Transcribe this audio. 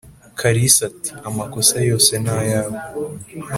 kalisa ati"amakosa yose nayawe